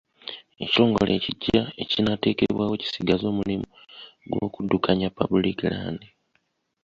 Ekitongole ekiggya ekinaateekebwawo kisigaze omulimu gw'okuddukanya public land.